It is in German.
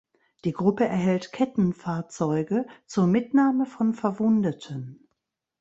Die Gruppe erhält Kettenfahrzeuge zur Mitnahme von Verwundeten.